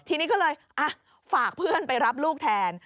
ทีนี้ก็เลยฝากเพื่อนไปรับลูกแทน